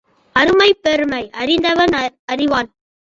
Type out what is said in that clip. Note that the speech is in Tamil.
அருமை பெருமை அறிந்தவன் அறிவான்.